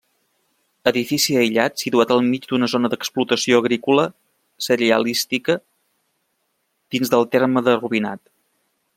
Edifici aïllat situat al mig d'una zona d'explotació agrícola cerealística dins del terme de Rubinat.